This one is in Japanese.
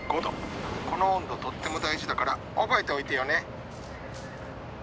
この温度とっても大事だから覚えておいてよね！